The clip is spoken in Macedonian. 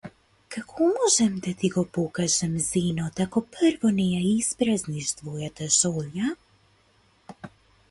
Како можам да ти го покажам зенот ако прво не ја испразниш твојата шолја?